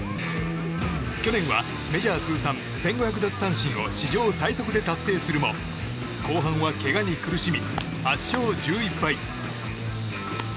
去年はメジャー通算１５００奪三振を史上最速で達成するも後半はけがに苦しみ８勝１１敗。